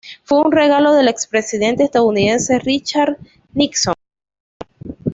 Fue un regalo del expresidente estadounidense Richard Nixon.